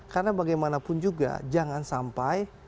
karena bagaimanapun juga jangan sampai